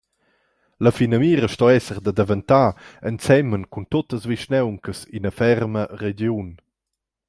La finamira sto esser da daventar –ensemen cun tuttas vischnauncas –ina ferma regiun.